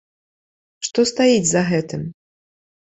Што стаіць за гэтым?